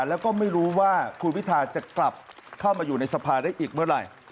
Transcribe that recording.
แล้วก็ไม่รู้ว่าคุณพิทาจะกลับเข้ามาอยู่ในสภาได้อีกเมื่อไหร่